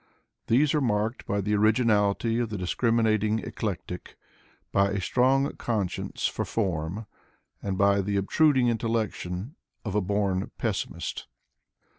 These are marked by the originality of the discriminating eclectic, by a strong conscience for form, and by the obtruding intellection of a born pessimist.